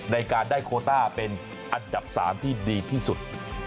ในการได้โคต้าเป็นอันดับ๓ที่ดีที่สุด